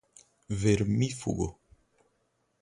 vermífugo